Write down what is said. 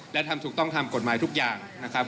และทำถูกต้องทำกฎหมายทุกอย่างนะครับ